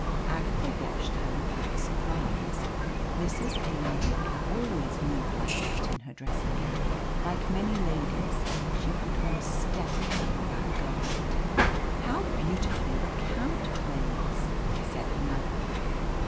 Agatha watched her without surprise. Mrs. Ingham Baker always moved like that in her dressing gown. Like many ladies, she put on stealth with that garment. "How beautifully the Count plays!" said the mother.